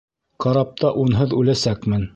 Карапта унһыҙ үләсәкмен.